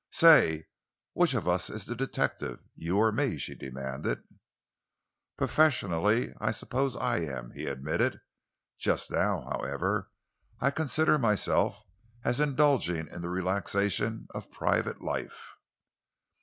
"Say, which of us is the detective you or me?" she demanded. "Professionally, I suppose I am," he admitted. "Just now, however, I consider myself as indulging in the relaxation of private life."